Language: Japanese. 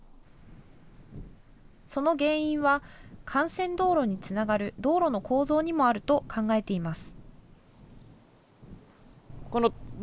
その原因は幹線道路につながる道路の構造にもあると考えています。